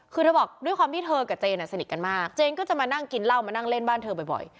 คือเธอบอกด้วยความที่เธอกับเจนสนิทกันมากเจนก็จะมานั่งกินเหล้ามานั่งเล่นบ้านเธอบ่อย